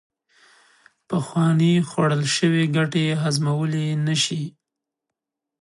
پخوانې خوړل شوې ګټې هضمولې نشي